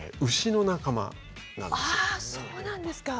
あそうなんですか。